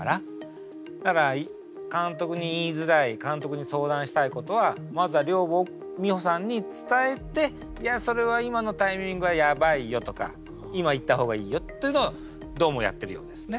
だから監督に言いづらい監督に相談したいことはまずは寮母美穂さんに伝えて「いやそれは今のタイミングはやばいよ」とか「今言った方がいいよ」というのをどうもやってるようですね。